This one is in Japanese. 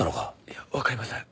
いやわかりません。